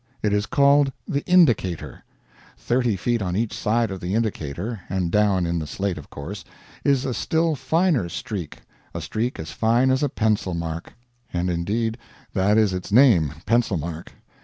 It is called the Indicator. Thirty feet on each side of the Indicator (and down in the slate, of course) is a still finer streak a streak as fine as a pencil mark; and indeed, that is its name Pencil Mark.